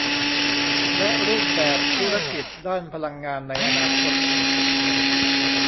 และรูปแบบธุรกิจด้านพลังงานในอนาคต